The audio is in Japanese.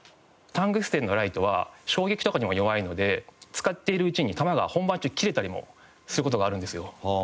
タングステンのライトは衝撃とかにも弱いので使っているうちに球が本番中切れたりもする事があるんですよ。